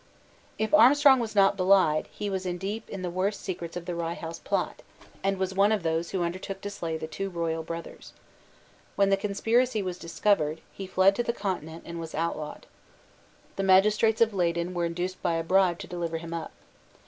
If Armstrong was not belied, he was deep in the worst secrets of the Rye House Plot, and was one of those who undertook to slay the two royal brothers. When the conspiracy was discovered, he fled to the Continent and was outlawed. The magistrates of Leyden were induced by a bribe to deliver him up.